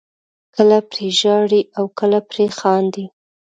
کله پرې ژاړئ او کله پرې خاندئ.